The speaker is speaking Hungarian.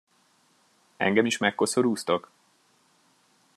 Engem is megkoszorúztok?